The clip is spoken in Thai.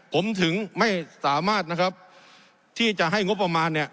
ผมถึงไม่สามารถนะครับที่จะให้งบประมาณเนี่ย